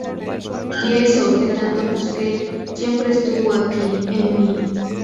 Y eso, que tanto busque, siempre estuvo aquí, en mi.